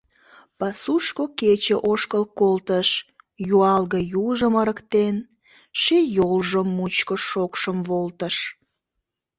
Пасушко кече ошкыл колтыш, юалге южым ырыктен — ший йолжо мучко шокшым волтыш.